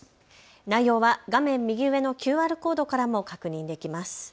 内容は画面右上のＱＲコードからも確認できます。